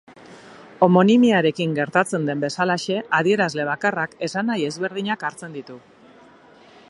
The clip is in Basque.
Homonimiarekin gertatzen den bezalaxe, adierazle bakarrak esanahi ezberdinak hartzen ditu.